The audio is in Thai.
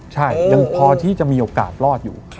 ใช่ยังพอที่จะมีโอกาสรอดอยู่